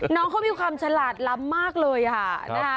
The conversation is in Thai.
น้องเขามีความฉลาดล้ำมากเลยค่ะนะคะ